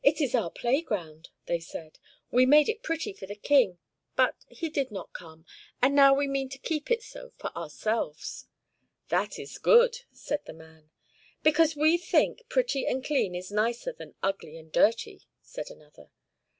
"It is our playground!" they said. "We made it pretty for the King, but he did not come, and now we mean to keep it so for ourselves." "That is good!" said the man. "Because we think pretty and clean is nicer than ugly and dirty!" said another.